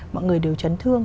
mọi người đều chấn thương